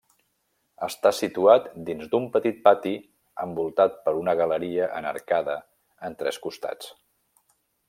Està situat dins d'un petit pati envoltat per una galeria en arcada en tres costats.